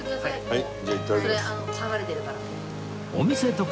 はい。